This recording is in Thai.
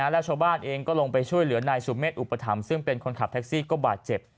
แล้วชาวบ้านเองก็ลงไปช่วยเหลือนายสุเมฆอุปถัมภ์ซึ่งเป็นคนขับแท็กซี่ก็บาดเจ็บ